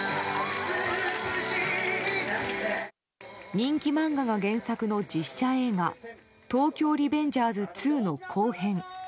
人気漫画が原作の実写映画「東京リベンジャーズ２」の後編。